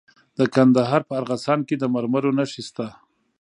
د کندهار په ارغستان کې د مرمرو نښې شته.